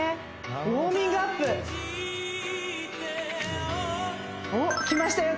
ウォーミングアップおっきましたよ